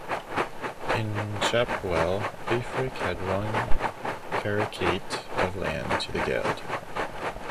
In Clapwell, Liefric had one carucate of land to the geld.